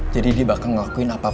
jadi dia bakal ngelakuin apapun